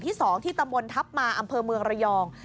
๒ที่ตำบลทัพมาอำเภอเมืองระยอง